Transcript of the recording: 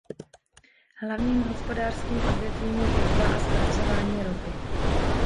Hlavním hospodářským odvětvím je těžba a zpracování ropy.